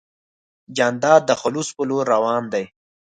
جانداد د خلوص په لور روان دی.